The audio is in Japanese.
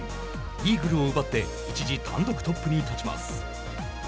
イーグルを奪って一時単独トップに立ちます。